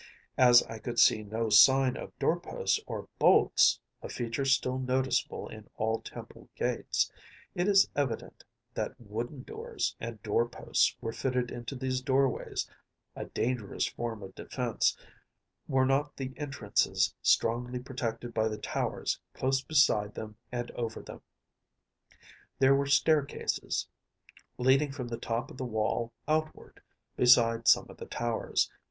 As I could see no sign of doorposts or bolts‚ÄĒa feature still noticeable in all temple gates‚ÄĒit is evident that wooden doors and door posts were fitted into these doorways‚ÄĒa dangerous form of defence, were not the entrances strongly protected by the towers close beside them and over them. There were staircases, leading from the top of the wall outward, beside some of the towers.